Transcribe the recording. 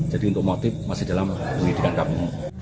jadi untuk motif masih dalam pendidikan kami